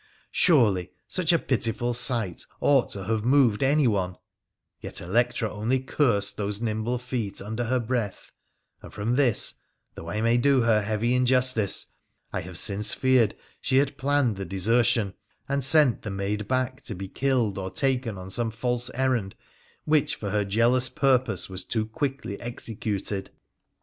Surely such a pitiful sight ought to have moved any one, yet Electra only cursed those nimble feet under her breath, and from this, though I may do her heavy injustice, I have since feared she had planned the desertion and sent the maid back to be killed or taken on some false errand which for her jealous purpose was too quickly executed.